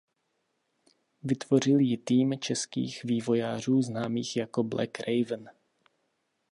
Vytvořil ji tým českých vývojářů známých jako Black Raven.